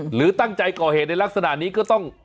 หรือตั้งใจก่อเหตุในลักษณะนี้ก็ต้อง